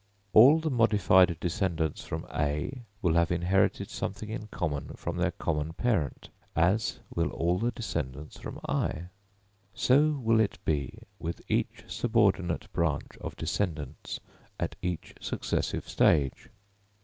All the modified descendants from A will have inherited something in common from their common parent, as will all the descendants from I; so will it be with each subordinate branch of descendants at each successive stage.